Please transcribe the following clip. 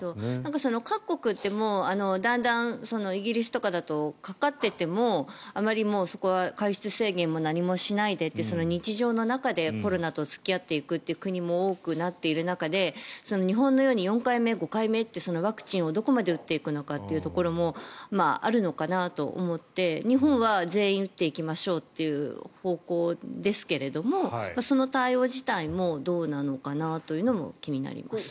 各国ってだんだんイギリスとかだとかかってても、あまりそこは外出制限も何もしないで日常の中でコロナと付き合っていく国も多くなっている中で日本のように４回目、５回目ってワクチンをどれだけ打っていくのかということもあるのかなと思って日本は全員打っていきましょうという方向ですがその対応自体もどうなのかなというのも気になります。